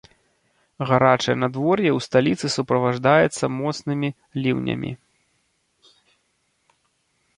Гарачае надвор'е ў сталіцы суправаджаецца моцнымі ліўнямі.